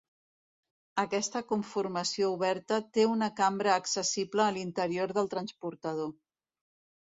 Aquesta conformació oberta té una cambra accessible a l'interior del transportador.